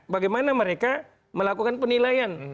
bagaimana mereka melakukan penilaian